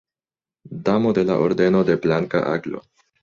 Damo de la Ordeno de Blanka Aglo.